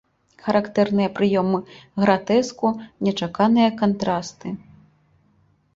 Характэрныя прыёмы гратэску, нечаканыя кантрасты.